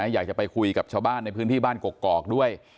อยากจะไปคุยกับชาวบ้านในพื้นที่บ้านกกอกด้วย